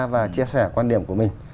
và chia sẻ quan điểm của mình